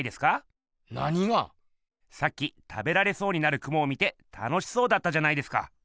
さっき食べられそうになるクモを見て楽しそうだったじゃないですか。